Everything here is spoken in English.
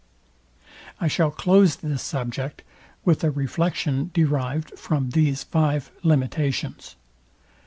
I shall close this subject with a reflection derived from these five limitations.